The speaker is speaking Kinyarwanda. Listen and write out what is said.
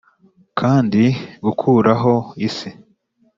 kandi gukuraho isi.